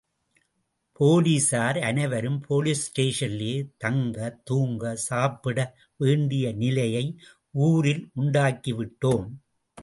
போலீசார் அனைவரும் போலீஸ் ஸ்டேஷனிலேயே தங்க, தூங்க, சாப்பிட வேண்டிய நிலையை ஊரில் உண்டாக்கிவிட்டோம்.